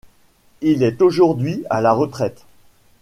Il est aujourd'hui à la retraite.